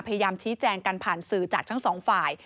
พยายามชี้แจงกันผ่านสื่อจากทั้งสองฝ่าย